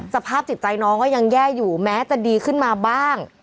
สภาพจิตใจน้องก็ยังแย่อยู่แม้จะดีขึ้นมาบ้าง